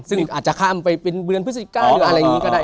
ซึ่งอาจจะข้ามไปเป็นเดือนพฤศจิกาหรืออะไรอย่างนี้ก็ได้